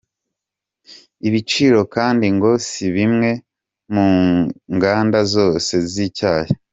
Ibiciro kandi ngo si bimwe ku nganda zose z’icyayi.